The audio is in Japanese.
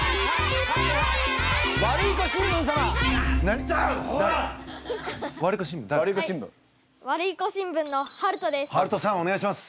ワルイコ新聞のはるとです。